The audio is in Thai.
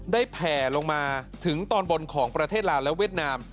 แผ่ลงมาถึงตอนบนของประเทศลาวและเวียดนาม